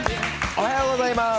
おはようございます。